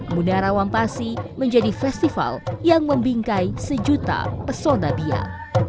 mundara wampasi menjadi festival yang membingkai sejuta pesona biar